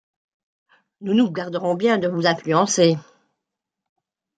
Nous nous garderons bien de vous influencer.